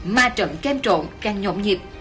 ma trận kem trộn càng nhộn nhịp